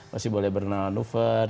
masih boleh bermanuver